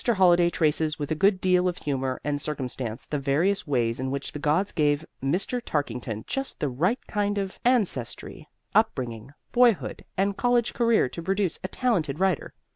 Holliday traces with a good deal of humor and circumstance the various ways in which the gods gave Mr. Tarkington just the right kind of ancestry, upbringing, boyhood and college career to produce a talented writer.